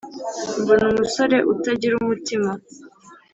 Mbona umusore utagira umutima